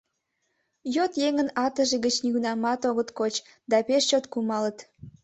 Йот еҥын атыже гыч нигунамат огыт коч да пеш чот кумалыт.